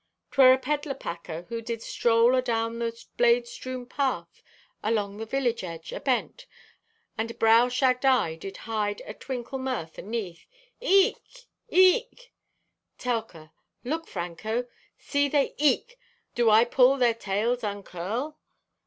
"'Twere a peddle packer who did stroll adown the blade strewn path along the village edge, abent. And brow shagged eye did hide a twinkle mirth aneath——" "E e ek! E e e k!" (Telka) "Look, Franco, see they 'e e e k' do I to pull their tails uncurl!"